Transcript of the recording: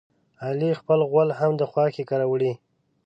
علي خپل غول هم د خواښې کره وړي.